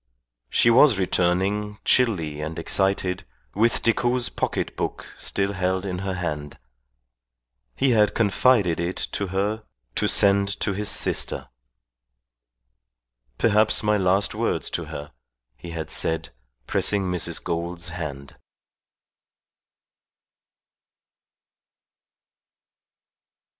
She was returning, chilly and excited, with Decoud's pocket book still held in her hand. He had confided it to her to send to his sister. "Perhaps my last words to her," he had said, pressing Mrs. Gould's hand.